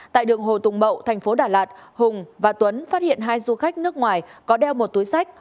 tại đường hồ tùng mậu thành phố đà lạt hùng và tuấn phát hiện hai du khách nước ngoài có đeo một túi sách